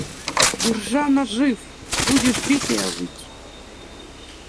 Биржа нажив, будешь битая выть.